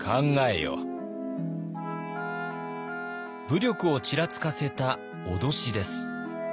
武力をちらつかせた脅しです。